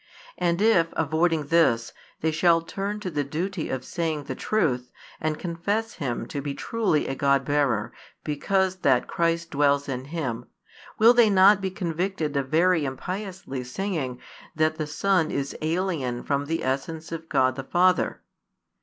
And if, avoiding this, they shall turn to the duty of saying the truth, and confess him to be truly a God bearer, because that Christ dwells in him, will they not be convicted of very impiously saying that the Son is alien from the essence of God the Father?